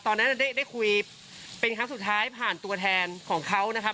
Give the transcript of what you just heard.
ตอนนั้นได้คุยเป็นครั้งสุดท้ายผ่านตัวแทนของเขานะครับ